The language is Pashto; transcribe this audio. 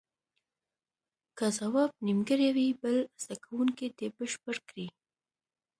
که ځواب نیمګړی وي بل زده کوونکی دې بشپړ کړي.